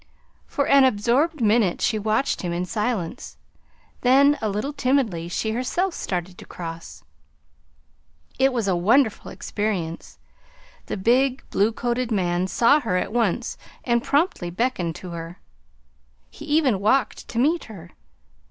For an absorbed minute she watched him in silence; then, a little timidly, she herself started to cross. It was a wonderful experience. The big, blue coated man saw her at once and promptly beckoned to her. He even walked to meet her.